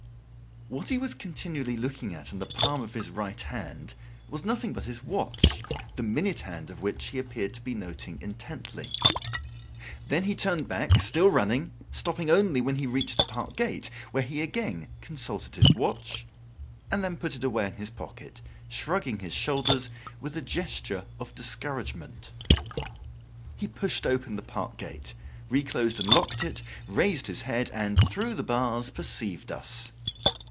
What he was continually looking at in the palm of his right hand was nothing but his watch, the minute hand of which he appeared to be noting intently. Then he turned back still running, stopping only when he reached the park gate, where he again consulted his watch and then put it away in his pocket, shrugging his shoulders with a gesture of discouragement. He pushed open the park gate, reclosed and locked it, raised his head and, through the bars, perceived us.